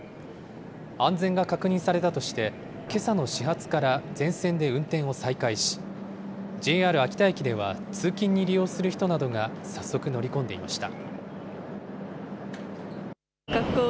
安全が確認されたとして、けさの始発から全線で運転を再開し、ＪＲ秋田駅では、通勤に利用する人などが早速乗り込んでいました。